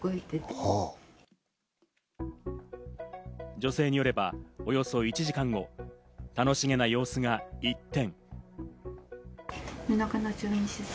女性によればおよそ１時間後、楽しげな様子が一転。